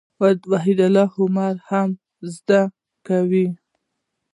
وحيدالله اميري ئې هم زده کوي.